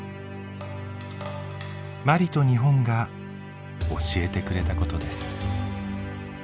マリと日本が教えてくれたことです。